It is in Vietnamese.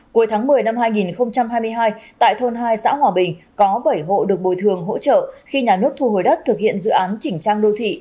cuối tháng một mươi năm hai nghìn hai mươi hai tại thôn hai xã hòa bình có bảy hộ được bồi thường hỗ trợ khi nhà nước thu hồi đất thực hiện dự án chỉnh trang đô thị